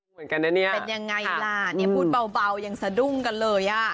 เหมือนกันนะเนี่ยเป็นยังไงล่ะเนี่ยพูดเบายังสะดุ้งกันเลยอ่ะ